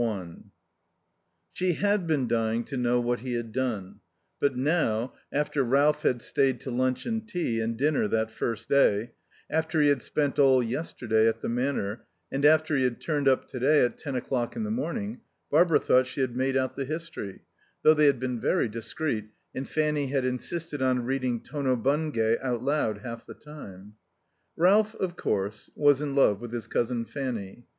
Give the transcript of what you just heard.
II 1 She had been dying to know what he had done, but now, after Ralph had stayed to lunch and tea and dinner that first day, after he had spent all yesterday at the Manor, and after he had turned up to day at ten o'clock in the morning, Barbara thought she had made out the history, though they had been very discreet and Fanny had insisted on reading "Tono Bungay" out loud half the time. Ralph, of course, was in love with his cousin Fanny.